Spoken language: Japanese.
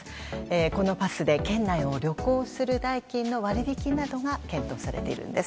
このパスで県内を旅行する代金の割引などが検討されているんです。